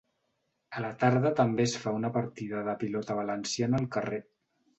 A la tarda també es fa una partida de pilota valenciana al carrer.